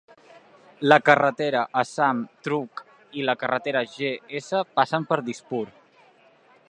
La carretera Assam Trunk i la carretera G S passen per Dispur.